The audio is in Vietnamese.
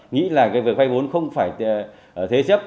nghĩ là cái việc vay vốn không phải thế chấp